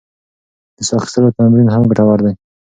د ساه اخیستلو تمرین هم ګټور دی.